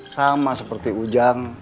sama seperti ujang